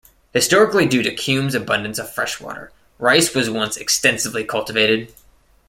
Historically due to Kume's abundance of freshwater, rice was once extensively cultivated.